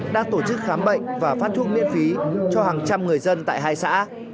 đang tổ chức khám bệnh và phát thuốc miễn phí cho hàng trăm người dân tại hai xã